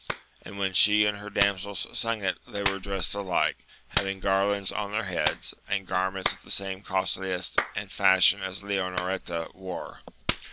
And when she and her dam sels sung it they were dressed alike, having garlands on their heads, and garments of the same costliness and fashion as Leonoreta wore.